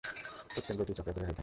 প্রত্যেক গতিই চক্রাকারে হইয়া থাকে।